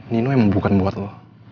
nino emang bukan buat lo